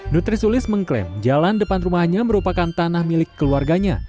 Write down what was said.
nutri sulis mengklaim jalan depan rumahnya merupakan tanah milik keluarganya